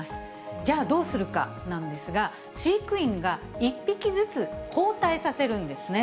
じゃあどうするかなんですが、飼育員が１匹ずつ交替させるんですね。